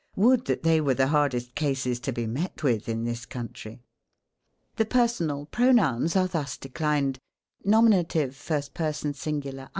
Would that they were the hardest cases to be met with in this country ! The personal pronouns are thus declined :— CASE. FIRST PERSON SINGULAR.